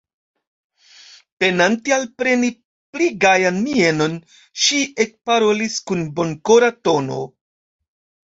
Penante alpreni pli gajan mienon, ŝi ekparolis kun bonkora tono: